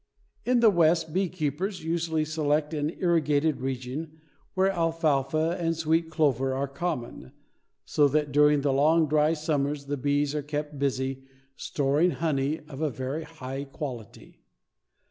In the West, beekeepers, usually select an irrigated region where alfalfa and sweet clover are common, so that during the long dry summers the bees are kept busy storing honey of a very high quality.